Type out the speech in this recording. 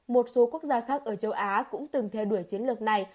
một số quốc gia khác ở châu á cũng từng theo đuổi chiến lược này